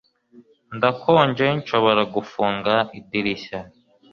Ndakonje Nshobora gufunga idirishya